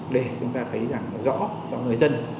để chúng ta thấy rằng rõ cho người dân